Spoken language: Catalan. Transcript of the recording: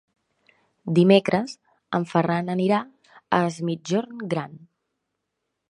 Dimecres en Ferran anirà a Es Migjorn Gran.